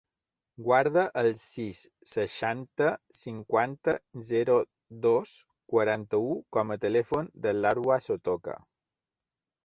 Guarda el sis, seixanta, cinquanta, zero, dos, quaranta-u com a telèfon de l'Arwa Sotoca.